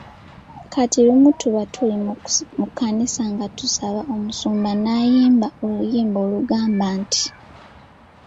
Kati lumu tuba tuli mu kkanisa nga tusaba, omusumba ng'ayimba oluyimba olugamba nti.